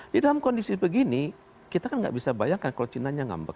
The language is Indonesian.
di dalam kondisi begini kita kan nggak bisa bayangkan kalau cinanya ngambek